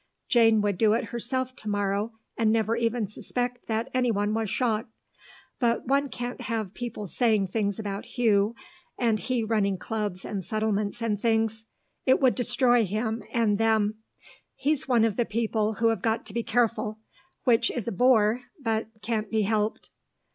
Jane would do it herself to morrow, and never even suspect that anyone was shocked. But one can't have people saying things about Hugh, and he running clubs and settlements and things; it would destroy him and them; he's one of the people who've got to be careful; which is a bore, but can't be helped."